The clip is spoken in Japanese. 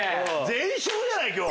全勝じゃない今日。